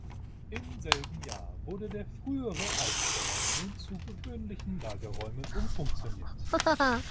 Im selben Jahr wurde der frühere Eiskeller nun zu gewöhnlichen Lagerräumen umfunktioniert.